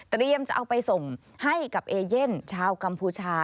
จะเอาไปส่งให้กับเอเย่นชาวกัมพูชา